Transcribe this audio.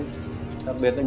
và thiết bị trong